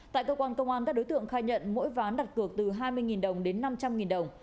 tại cơ quan công an các đối tượng khai nhận mỗi ván đặt cược từ hai mươi đồng đến năm trăm linh đồng